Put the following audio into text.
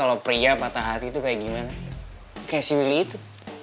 apa masih animations aku lagi